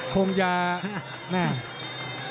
คงจะเนี่ย